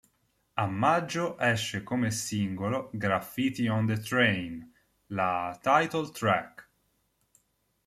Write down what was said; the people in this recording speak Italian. A maggio esce come singolo "Graffiti on the Train", la title track.